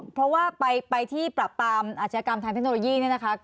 เพราะว่าไปปรับปามอาชีครรมไทน์เทคโนโลยี